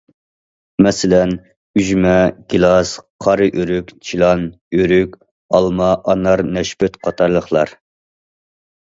مەسىلەن: ئۈجمە، گىلاس، قارا ئۆرۈك، چىلان، ئۆرۈك، ئالما، ئانار نەشپۈت قاتارلىقلار.